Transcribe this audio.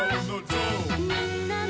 「みんなの」